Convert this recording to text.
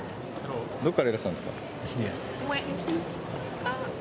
どこからいらしたんですか。